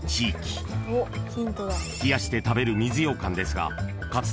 ［冷やして食べる水ようかんですがかつて］